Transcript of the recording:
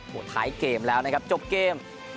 ท้ายเกมแล้วนะครับจบเกม